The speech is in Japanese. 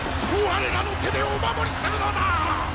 我らの手でお守りするのだっ！